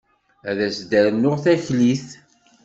Ad as-d-rnuɣ taklit.